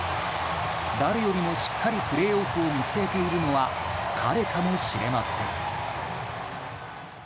誰よりも、しっかりプレーオフを見据えているのは彼かもしれません。